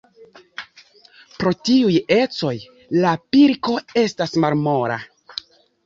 Pro tiuj ecoj la pilko estas malmola.